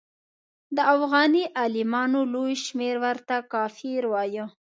د افغاني عالمانو لوی شمېر ورته کافر وایه.